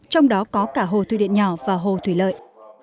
trong đó có cả hồ thủy điện nhỏ và hồ thủy lợi